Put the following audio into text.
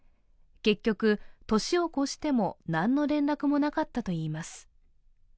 結局、年を越しても何の連絡もなかったといいます。